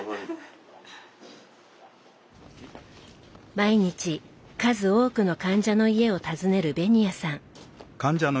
毎日数多くの患者の家を訪ねる紅谷さん。